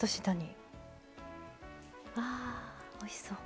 うわおいしそう。